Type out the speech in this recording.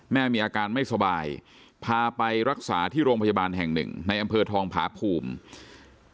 แม่มีอาการไม่สบายพาไปรักษาที่โรงพยาบาลแห่งหนึ่งในอำเภอทองผาภูมิ